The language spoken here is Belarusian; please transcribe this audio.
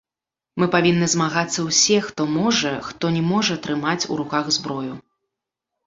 Мы павінны змагацца ўсе, хто можа хто не можа трымаць у руках зброю.